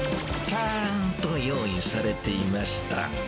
たーんと用意されていました。